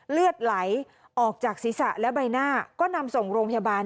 เลือดไหลออกจากศีรษะและใบหน้าก็นำส่งโรงพยาบาล